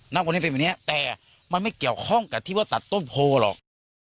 ณวันนี้เป็นแบบนี้แต่มันไม่เกี่ยวข้องกับที่ว่าตัดต้นโพหรอก